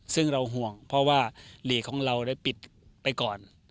ซึ่งเราห่วงเพราะว่าหลีกของเราได้ปิดไปก่อน